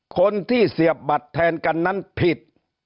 คนที่เสียบบัตรแทนกันนั้นผิด